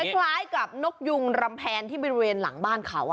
คล้ายกับนกยุงรำแพนที่บริเวณหลังบ้านเขา